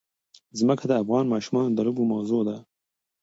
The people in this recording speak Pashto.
ځمکه د افغان ماشومانو د لوبو موضوع ده.